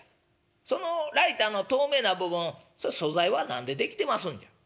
そのライターの透明な部分それ素材は何で出来てますんじゃ？」。